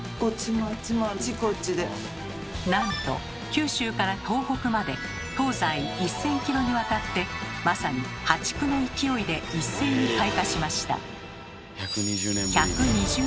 なんと九州から東北まで東西１，０００キロにわたってまさにハチクの勢いで一斉に開花しました。